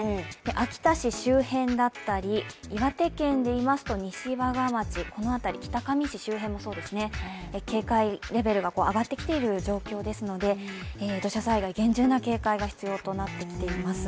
秋田市周辺だったり岩手県でいいますと西和賀町、この辺り、北上市周辺もそうですね警戒度上がってきている状況ですので土砂災害に厳重な警戒が必要になっています。